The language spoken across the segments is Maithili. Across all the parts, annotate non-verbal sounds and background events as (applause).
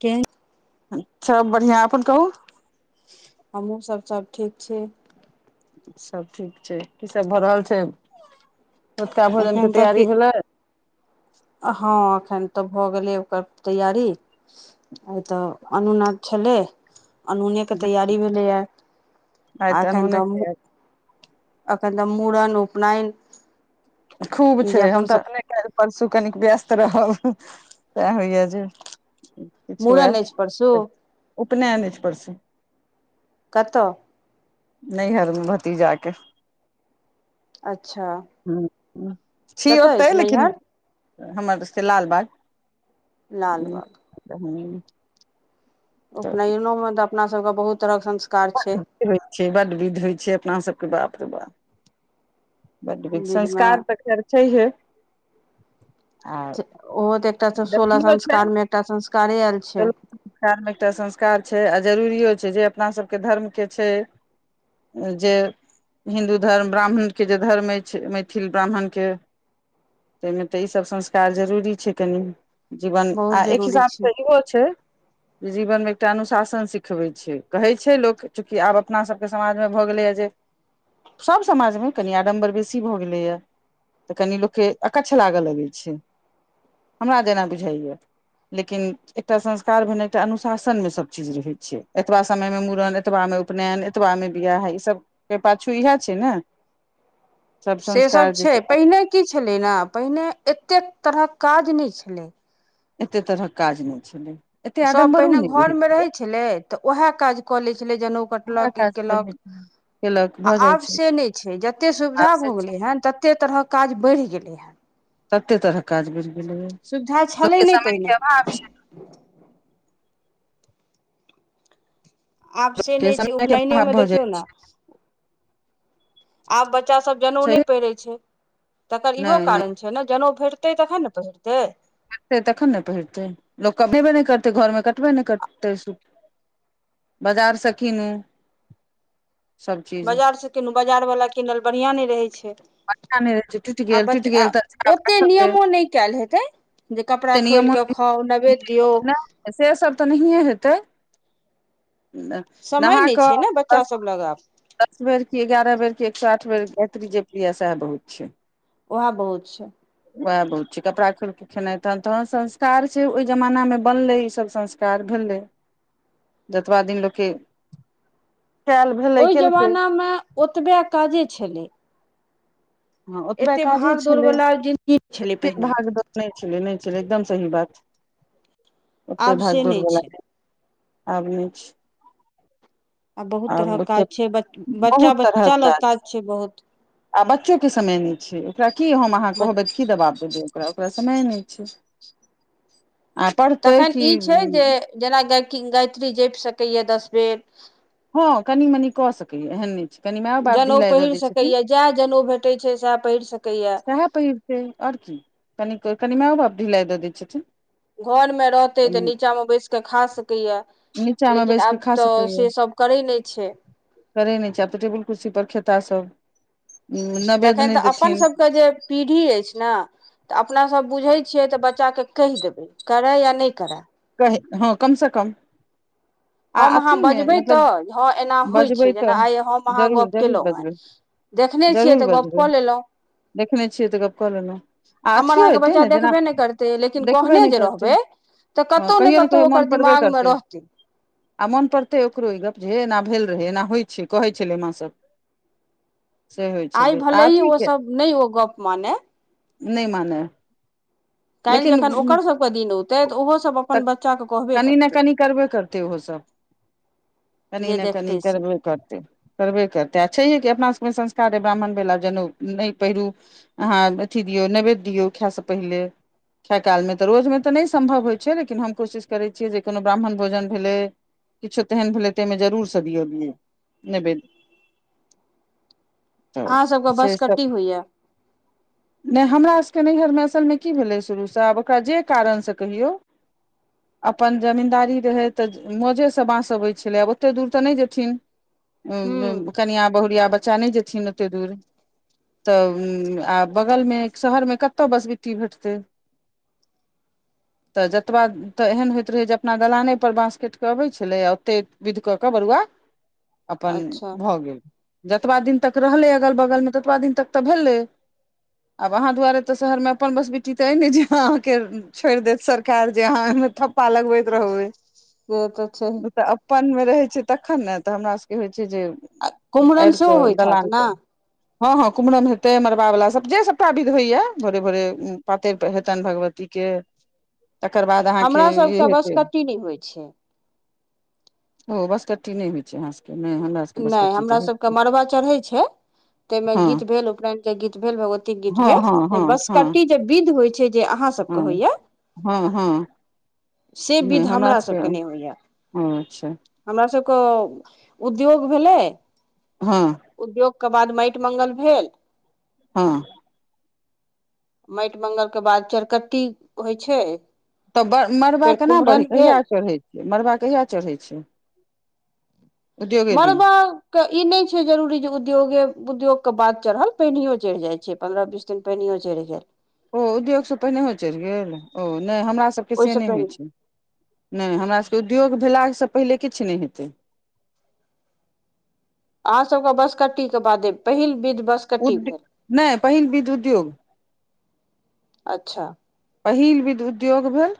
केहन अच्छा बढ़िआँ अपन कहू हमहु सब सब ठीक छै सब ठीक छै की सब भ रहल छै रतुका भोजन एखन के त तैयारी की भेलै हँ एखन तऽ भऽ गेलै ओकर तैयारी आय तऽ अनुना छलै अनूने केँ तैयारी भेलैए आइ (inaudible) आ एखन अनूने तऽ हमहूँ एखन तऽ मुरन उपनैन खूब छै हम तऽअपने काइल परसू कनिक व्यस्त रहब तै होइया जे (inaudible) किछ हुए मूड़न अछि परसू (inaudible) उपनैन ऐछ परसू कऽ तऽ नैहर में भतीजा केँ अच्छा (unintelligible) छी कतऽ ओतै अछि लेकिन नैहर हमर से लालबाग लालबाग (unintelligible) उपनैयनै में तऽ अपना सब कऽ बहुत तरह कऽ संस्कार छै होइ छै बड विध होइ छै अपना सब कऽ बाप रे बाप बड वे विध मे संस्कार तऽ खैर छैहे (inaudible) आ ओहो तऽ एकटा सोलह जरूरियो संस्कार में एकटा संस्कारे अेल छै सेह में तऽ एकटा संस्कार छै आ जरूरो छै जे अपना सब केँ धर्म केँ छै जे हिन्दू धर्म ब्राह्मण केँ जे धर्म एछ मैथिल ब्राह्मण केँ तै में ते ई सब संस्कार जरूरी छै कनि जीवन आ बहुत एक जरूरी हिसाब छै स इहो छै जे जीवन में एकटा अनुशासन सिखबै छै कहै छै लोक चूँकि आब अपना सभ कऽ समाज में भऽ गेलै ए जे सभ समाज में कनि आडम्बर बेसी भऽ गेलै यऽ तऽ कनि लोक केँ अकच्छ लाग लगै छै हमरा जेना बुझाय लेकिन एकटा संस्कार भेने एकटा अनुशासन में सब चीज रहे छै एतबा समय में मुड़न एतबा में उपनैन एतबा में बियाह है ई सब पाछू इहै छै न (inaudible) से सब छै पहिने की छलै न पहिने एतेक तरह काज नै छलै एते तरह काज नै छलै एते सभ आडम्बरो पहिने नहि घर मऽ रहै छलै तऽ उहै काज कऽ लै छलै जनउ उएह कटलक ई काज केलक केलक (inaudible) आ भऽ जाइ आब छै से नै छै जते आब सुविधा से भऽ छै गेलै है तते तरहक काज बैरह गेलै है तते तरह काज बैरह गेलै यऽ सुविधा (inaudible) लोक छलै केँ नहि समय पहिने के अभाव छै आब से लोकके नै छै समय के उपनैयने अभाव में भऽ जाइ देखियौ न आब बच्चा सब जनउ छै नै पहिरे छै (inaudible) तकर इहो नहि नहि कारण छै छै न जनउ भेटतै तखन न पहिरतै फेर तखन न पहिरतै लोक (unintelligible) नै करतै घर में कटबे नै करतै सू बाजार स कीनू सब चीज बाजार स कीनु बाजार वला किनल बढ़िआँ नै रहै छै बढ़िया नहि रहै छै टुटि (inaudible) आ गेल बच टुटि गेल तऽ अच्छा आब ओते रखबै नियमो नै कैल हेतै जे कपड़ा खोल कऽ खाओ नैवेद्य दियऔ नै से सब तऽ नहीए हेतै समय नहा नहि छै कऽ ने बच्चा सब (unintelligible) लग आब दस बेर की एगारह बेर की एक सए आठ बेर गैत्री जेप लीय सएह बहुत छै उएह बहुत छै वएह बहुत छै कपड़ा खोल क खेनाइ तहेन तहन संस्कार छै ओहि जमाना मे बनले ईसभ संस्कार प्यार भेले (inaudible) जतबा दिन लोक के खायल ओह जमाना मे ओतबे काजे छलै हँ ओतबे एते काजे भाग दौड़ छलै वला जिन्दगी छलै एतक पहिने भाग दौर नय छलै नय छलै एकदम सही बात ओते आब से भागदौड़ नहि बला छै आब नय छै आ बहुत आब तरहक ओते काज छै ब बच्चा बहुत बच्चा तरहक लग काज छै बहुत आ बच्चो के समय नय छै ओकरा की हम अहाँ कहबे की दबाब देबै ओकरा ओकरा समय नय छी आ पढ़तै तखन की ई छै जे जेना गाय गायत्री जइप सकैय दस बेर हँ कनी मनी कऽ सकैया एहन नय छै कनि मनि माओ बाप जनेउ ढिलाई दऽ पहिर दैत छथिन सकैए जएह जनेउ भेटे छै सएह पढ़ि सक- सएह पहिरतै ओर की कनि कनि मो बाप ढिलाइ दऽ दै छथिन घर मे रहतै तऽ नीचाँ मे बैस कऽ खा सकैए नीचा मे लेकिन बैस कऽ आब तऽ सेसभ करै नय छै करै नय छै आब तऽ टेबुल कुर्सी पर खेता सब उ तखन नैवेद्य नय तऽ अपन देथिन सबके जे पीढ़ी ऐछ न तऽ अपना सभ बुझैत छियै तऽ बच्चा केँ कहि देबै करै या नय करए कह हँ कम से कम आ हम अहाँ अथी मे बजबै मतलब तऽ हँ एना होइ छै बजबै तऽ जेना आइ हम अहाँ जरूर गप्प जरूर कयलहुँ हन बजबै देखने छियै, जरूर तऽ गप बजबै कऽ लेलह। देखने छियै तऽ गप कऽ लेलहुँ आ हमर अथियो अहाँके हेतै बच्चा ने जेना देखबे नहि करतै लेकिन देखबे कहने नय जे करतै। रहबै तऽ हँ कतहु कहियो ने कतहु कहियो ओकर मोन पड़बे दिमागमे करतै। रहतै आ मोन पड़तै ओकरो ई गप्प जे हे एना भेल रहै एना होइत छै कहै छलै माँ सभ आइ आ भले ही ओ सब ने ओ गप माना नय माना काल्हि जखन ओकर सभके दिन औतै तऽ ओहो तऽ कनि ने कनि करबे करतै ओहोसभ कनी जे न कनी देखतै से करबे करते करबे करतै आ छैहे कि अपना सभ मे संस्कार अइ ब्राह्मण भेला जनेउ नय पहिरू अहाँ अथी दियौ नैवेज दियौ खाय से पहिले खाय काल मे तऽ रोज मे तऽ नय सम्भव होइ छै लेकिन हम कोशिश करैत छियै जे कोनो ब्राह्मण भोजन भेलै किछो तेहन भेलै ताहिमे जरूर सदियो दियै नवेज अहाँ सभके बसकट्टी होइए नय हमरा सबके नैहर मे असल मे की भेलै शुरूसँ आब ओकरा जे कारणसँ कहियौ अपन जमीन्दारी रहै तऽ मौजेसँ बाँस अबैत छलै आब ओतेक दूर तऽ नय जेथिन हूँ कनिआ बहुरिया बच्चा नय जेथिन ओतेक दूर तऽ आ बगल मे शहर मे कतौ बस बिट्टी भेटतै तऽ जतबा तऽ एहन होइत रहै जे अपना दलाने पर बाँंस कट कऽ अबैत छलै आ ओते विध कऽ केऽ बरुआ (inaudible) अपन अच्छा भऽ गेल जतबा दिन तक रहलै अगल बगल मे ततबा दिन तक तऽ भेलै आब अहा दुआारे ते शहर मे अपन बसबिटी ते एय ने जे अहा के छोड़ देत सरकार जे यहाँ ओमे थप्पा लगबैत रहुै (unintelligible) छै ओ तऽ अपन मे रहै छै तखन ने तऽ हमरा सबके होइ छै जे आ कुम्हरन आईरो सेहो प होइत हैत दालान ने पर हँ हँ कुम्हरम हेतै मड़बा वला जे सभटा विध होइया भोरे भोरे पातरि हेतनि भगवती के तकर बाद अहाँके हमरा ई सबके हेतै बसकट्टी नहि होइ छै ओ बसकट्टी नय होइ छै यहाँ सबके नय हमरा सबके नय बसकट्टी तऽ हमरा होइ सभ के छै मड़बा चढ़ै छै ताहिमें हँ गीत भेल उपनयन के गीत भेल भगवती गीत हँ हँ भेल हँ हँ बसकट्टी विध होइ छै जे अहाँ सबके हँ होइया हँ हँ से नहि विधि हमरा सबके सभकेँ नय होइए अच्छा हमरा सभके उद्योग भेलै हँ उद्योग के बाद माटि मंगल भेल हँ माटि मंगल के बाद चरकट्टी होइ छै तब ब मड़बा फेर केना बढ़ै कुम्हरन छै कहिया भेल चढ़ैत छियै मड़बा कहिया चढ़ैत छै उद्योगे दिन मरबा के ई नय छै जरूरी जे उद्योगे उद्योग के बात चढ़ल पहिनयो चढ़ि जाय छै पन्द्रह बीस चिन पेनियओ चड़ि गेल ओ उद्योगसँ पहिनेहो चढ़ि गेल ओ नय हमरा सभके से ओहिसँ नय होइ पहिने छै नय हमरा सभके उद्योग भेलासँ पहिले किछु नय हेतै अहाँ सब के बसकट्टी के बादे पहिल विध बस उद्य नय पहिन बीध उद्योग अच्छा पहिल विध उद्योग भेल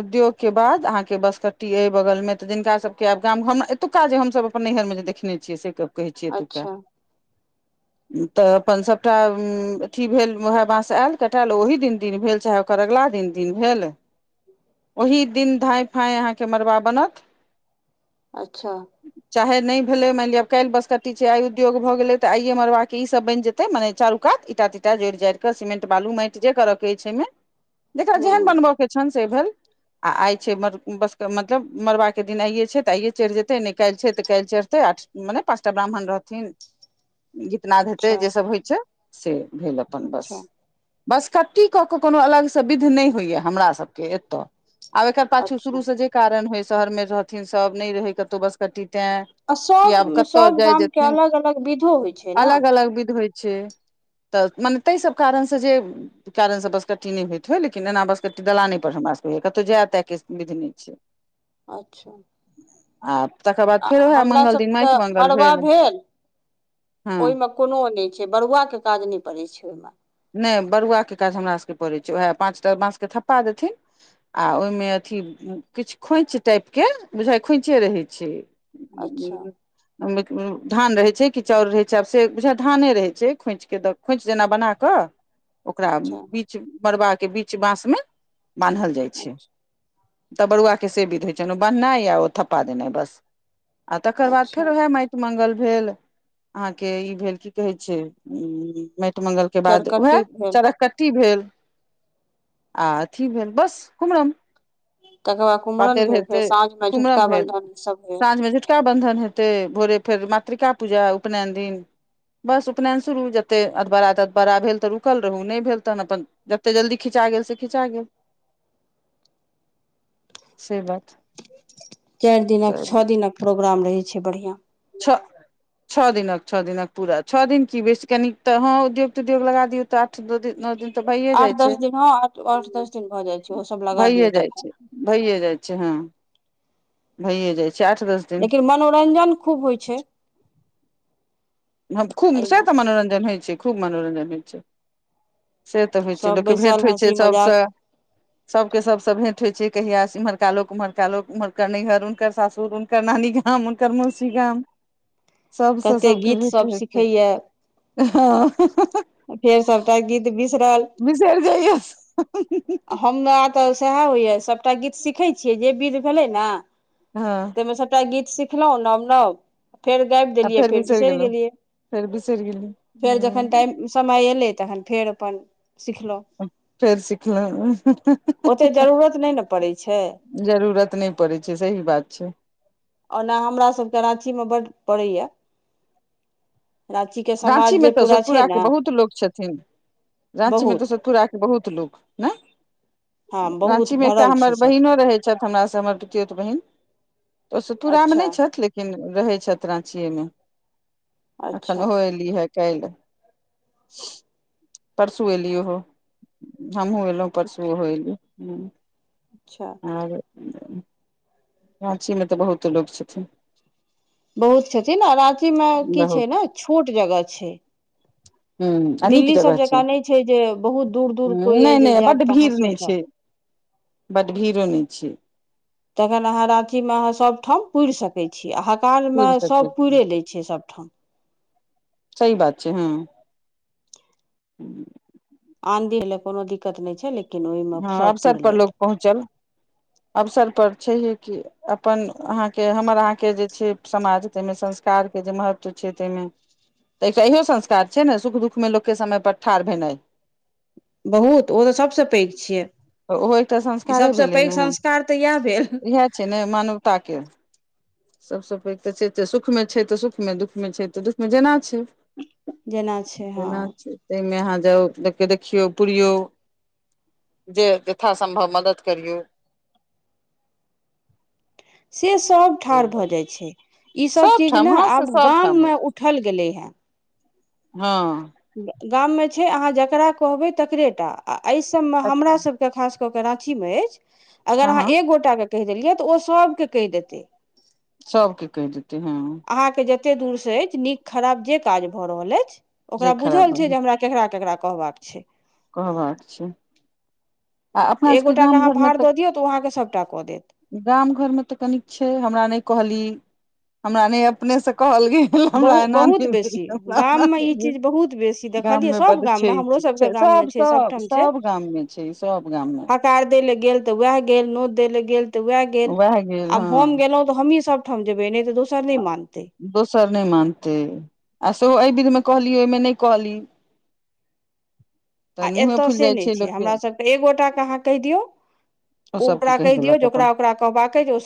उद्योग के बाद अहाँके बसकट्टी अइ बगल मे तऽ जिनका सबके आब (unintelligible) एतुका जे हमसभ अपन नैहर मे जे देखने छियै से कहै छिय एतुक्का (inaudible) तऽ अपन सभटा अथी भेल वएह बाँस आयल कटाएल ओहि दिन दिन भेल चाहे ओकर अगिला दिन दिन भेल ओहि दिन धाँय फाँय अहाँके मरबा बनत अच्छा चाहे नय भेले मान लिअ काल्हि बसकटी छै आई उ्योग भग गेले तऽ आयए मरबा के ई सब बनि जेते मने चारू कात ईटा तिटा जोड़ि जड़ि केे समेंट बालू माट जे कर के ऐछै मे जकरा जेहन हूँ बनबय के छनि से भेल आ आइ छै मड़ बस मतलब मड़बा के दिन आइयए छै तऽ आइए चढ़ि जेतै नय काल्हि छै तऽ काल्हि चढ़तै आठ मने पाँचटा ब्राह्मण रहथिन गीतनाद हेते अच्छा जेसभ होइत छै से भेल अपन बस अच्छा बसकट्टी कऽ कऽ को अलग से विध नय होइया हमरा सब ए आब एकर पाछ अच्छा शुरू स जे कारण होइ शहर मे रहथिन सब नय रहै कतहु बसकट्टी ते आ कि आब सभ कतौ सभ जाय गामके जेथिन अलग अलग विधो होइ छै ने अलग अलग विध होइ छै तऽ मने ताहि सब कारण से जे कारणसँ बस कट्टी नय होइत हय लेकिन एना बसकट्टी दलाने पर हमरा सबके कतहु जाय ताई के विधि नय छै अच्छा आ तकर बाद आ फेर उएह हमरा मंगल दिन सभके माटि मंगल मड़बा भेल हँ ओहिमे कोनो नय छै बरुआ के काज नय पड़े छै ओहिमे नय बरुआ के काज हमरा सभके पड़ै छै उएह पाँच टा बाँस के थप्पा देथिन आ ओहिमे अथी किछु खोँछ टाइप के बुझाइ खोँछे रहै छै अच्छा (unintelligible) धान रहे छै कि चाउर रहे छै आब से बुझ धाने रहे छै खोंच के द खोंच जेना बना क ओकरा अच्छा बीच मरबा के बीच बास मे बान्हल जाइ छै अच्छा त बरुआ के से बिध होइ छैन ओ बननाई औ ठप्पा दिनई बस आ तकर बाद फेर अच्छा ओएह मैट मंगल भेल अहाँके ई भेल की कहै छै उ माटि मंगल के बाद वएह चरकट्टी भेल चरककट्टी भेल आ अथी भेल बस कुमरम तकर बाद कुमरन पातैर भेल हेते फेर साँझमे कुम्रम झुटका भेल बन्धन ईसभ भेल साँझ मे बन्धन हेतै भोरे फेर मातृका पूजा उपनयन दिन बस उपनयन शुरू जते अदबारदत बड़ा भेल तऽ रुकल रहू नय भेल तहन अपन जतेक जल्दी खिचा गेल से खिचा गेल (inaudible) से बात चारि दिनक तऽ छओ दिनक प्रोग्राम रहैत छैय बढ़िया। छ छओ दिनक छओ दिनक पूरा छओ दिन की बेसी कनि तऽ हँ उद्योग त उद्योग लगा दियौ तऽ आठ नओ दिन तऽ भइए आठ जाइ दस छै दिन ह आठ दस दिन भऽ जाइ छैय ओसभ लगा दियौ त। भैए जाइ छैय ह भैए जाइ छैय आठ दस दिन लेकिन मनोरञजन खूब होइ छै हम खूब से एहिमे त मनोरञ्जन होइ छै खूब मनोरञ्जन होइ छै से तऽ होइ छै सभ लोकके भेंट बैसल होइ छै हँसी सभसँ (inaudible) सबके सब भेंट होय छै कहियास इमहरका लोक उम्हका लोक उम्हर नैहर ऊहनकर सासुरु एकर नानी गम उनकर मोसी गम (inaudible) सबसँ सबके भी सब सिखैय फेर सबटा गीत बिसरल बिसर जाइय आ हमरा तऽ सएह होइए सभटा गीत सीखै छियै जे विध भेलै ने हँ मे सबटा गीत सिखलहु नव नव फेर गाबि देलियै फेर बिसरि गेलियै फेर बिसरि गेली फेर जखन टाइम हँ समय अयलै तखन फेर अपन सिखलहुँ। फेर सिखलौ ओतेक जरूरत नय न पड़ै छैय। जरूरत नहि पड़ै छै सही बात छै ओना हमरा सबके राची मे बड पड़े या रांची रांची में तो सतपुरा के बहुत लोक छथिन। राची में तो बहुत सतपुरा के बहुत लोग ने हँ बहुत रांची मे एकटा भरल छै हमर सभ बहिनो रहे हमरा स हमर पीतयौत बहिन ओ सतपुरा मे अच्छा नय छथि लेकिन रहै छथि राँचीे मे एखन अच्छा ओ एयली हे काल्हि परसू एलियो हो हमहहुँ एलहु परसु ओहो एली अच्छा आर रांची मे तऽ बहुतो लोक छथिन। बहुत छथिन आ राँची मे की बहुत छैय ने छोट जगह छैय। ह आ नीक जगह छैय जकाँ नहि छै जे बहुत दूर दूर ह कोइ अइ नय जे नय जायब बड्ड तऽ अहाँ भीड़ नय सोचब छैय। बड भीड़ो नय छय। तखन अहाँ रांची मे अहाँ सब ठाम पूइर सकै छी आ हाकर मे पुरि सकै सभ छी। पुरे लैइ छियै सभठाम। सह बात छैय हँ। आन दिन लए कोनो दिक्कत नय छैय लेकिन ओहिमे हँ सभ अवसर पुरि पर लेत लोक पहुँचल अवसर पर छैहे कि अपन अहाँके हमर अहाँके जे छैय समाज ताहिमे संस्कारके जे महत्व छैय ताहिमे तऽ एकटा इहो संस्कार छैय ने सुख दुःखमे लोकके समय पर ठाढ़ भेनाइ। बहुत ओ तऽ सबसे पैघ छियै तऽ ओहो एकटा इ संस्कारे सबसे पैघ संस्कार तऽ इएह भेल छैय नय मानवताके। सबसँ पैघ तऽ छैय सुख मे छैय तऽ सुख मे दुःख मे छैय तऽ दुःख मे जेना छैय। छै हँ जेना छैय ताहिमे अहाँ जाउ देख देखियौ पुरियौ। जे जथा सम्भव मदद करियौ। से सभ ठाढ़ भऽ जाइत छैय ईसभ चीज सभठाम ने हँ से आब गाम सभठाम मे होइ उठल गेलै हेँ। हँ गाम मे छैय अहाँ जकरा कहबै तकरे टा आ एहि सभ मे हमरा सभ रा खास क क राखी में अछि हँ अगर अहाँ हँ एक गोट के कहि देलियै तऽ ओ सभके कहि देतै। सब के कहि देते हँ अहाँ के जते दूर से नीक खराब जे काज भए रहल अछि जे ओकरा खराब बुझल छै जे हमरा केकरा केकरा कहबाक छै कहबाक छै आ तऽ अपना एक सबके गोटाके गाम अहाँ घर मे भार तऽ दऽ दियौ तऽ ओ अहाँके सभटा कऽ देत। गाम घर में तऽ कनिक छैय हमरा नय कहली हमरा न अपने से कहलके हमरा बहु एना बहुत नौ बेसी गाममे ई भेल चीज बहुत बेसी (unintelligible) गाम देखलियै मे सभ बड गाममे छैय इ हमरो चीज सभके छैय गाममे सब। छै सब सभठाम सब गाम मे छैय सब गाम मे। काड दइ ल गेल त वएह गेल नोत द ल गेल त वएह गेल वएह गेल आब हम हँ गेलो तऽ हमही सब ठाम जेबै नय तऽ दोसर नय मानतै दोसर नय मानते आ सेहो एहि विध मे कहली ओहिमे नय कहली आ तहन मुँहे एतय फुलि से जाइ नय छै लोकके हमरा सभ तऽ एगोटाके अहाँ कहि दियौ ओ सबके ओकरा कहि दियौ जे देलक अपन ओकरा ओकरा कहबाक जे